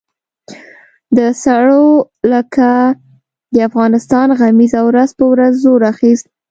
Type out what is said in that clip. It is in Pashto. د سړو لکه د افغانستان غمیزه ورځ په ورځ زور اخیست.